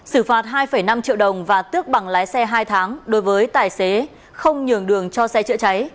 xử phạt hai năm triệu đồng và tước bằng lái xe hai tháng đối với tài xế không nhường đường cho xe chữa cháy